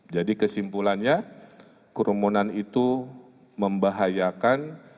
jadi kesimpulannya kerumunan itu membahayakan